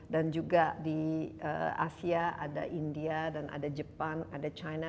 dan juga di asia ada india dan ada jepang ada china